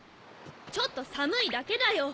ちょっとさむいだけだよ。